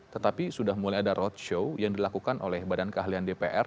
tetapi sudah mulai ada roadshow yang dilakukan oleh badan keahlian dpr